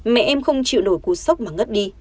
mẹ em không chịu nổi cuộc sốc mà ngất đi